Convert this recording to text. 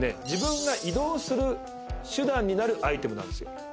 自分が移動する手段になるアイテムなんですよ。